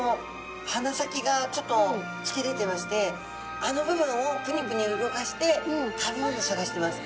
鼻先がちょっとつき出てましてあの部分をプニプニ動かして食べ物を探してます。